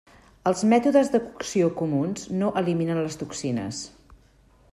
Els mètodes de cocció comuns no eliminen les toxines.